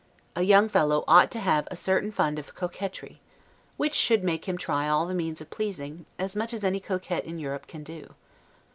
A young fellow ought to have a certain fund of coquetry; which should make him try all the means of pleasing, as much as any coquette in Europe can do.